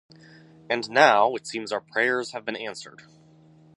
And now, it seems that our prayers have been answered.